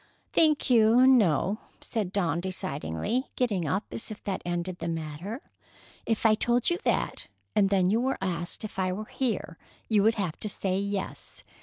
"Thank you, no," said Dawn decidedly, getting up as if that ended the matter. "If I told you that, and then you were asked if I were here, you would have to say yes.